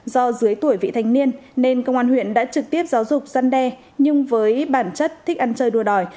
do dưới tuổi vị thanh niên nên công an huyện đã trực tiếp giáo dục săn đe nhưng với bản chất thích ăn chơi đua đòi